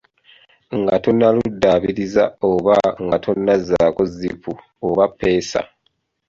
Nga tonnaluddaabiriza oba nga tonnazzaako zipu oba ppeesa.